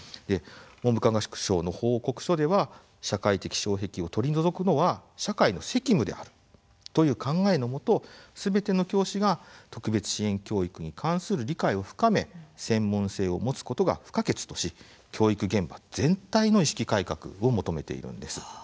文部科学省の報告書では社会的障壁を取り除くのは社会の責務であるという考えのもと、すべての教師が特別支援教育に関する理解を深め専門性を持つことが不可欠とし教育現場全体の意識改革を求めているんです。